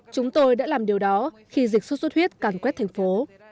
chúng tôi đã làm điều đó khi dịch xuất xuất huyết càng quét thành phố